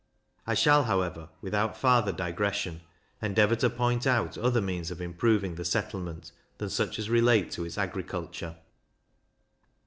I shall, however, without farther digression, endeavour to point out other means of improving the settlement than such as relate to its agriculture.